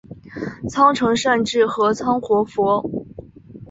仓成善智合仓活佛。